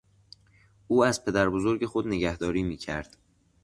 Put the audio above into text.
او از پدر بزرگ خود نگهداری میکرد.